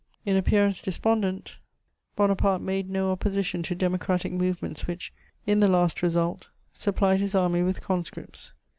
In appearance despondent, Bonaparte made no opposition to democratic movements which, in the last result, supplied his army with conscripts.